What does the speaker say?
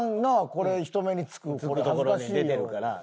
これ人目に付く恥ずかしいよ。